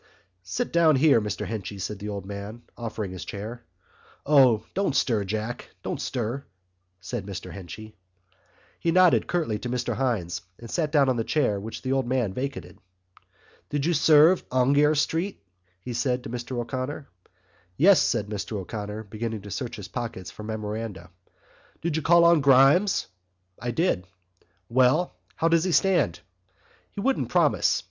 "Sit down here, Mr Henchy," said the old man, offering him his chair. "O, don't stir, Jack, don't stir," said Mr Henchy. He nodded curtly to Mr Hynes and sat down on the chair which the old man vacated. "Did you serve Aungier Street?" he asked Mr O'Connor. "Yes," said Mr O'Connor, beginning to search his pockets for memoranda. "Did you call on Grimes?" "I did." "Well? How does he stand?" "He wouldn't promise.